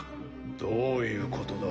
どういうことだ？